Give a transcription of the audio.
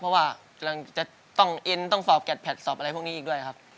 เพราะว่ากำลังจะต้องเอ็นต้องสอบแกดแพทสอบอะไรพวกนี้อีกด้วยครับ